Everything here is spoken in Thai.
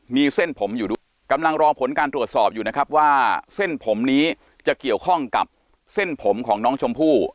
มีเส้นผมอยู่ด้วยกำลังรอผลการตรวจสอบอยู่นะครับว่าเส้นผมนี้จะเกี่ยวข้องกับเส้นผมของน้องชมพู่